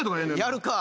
やるか！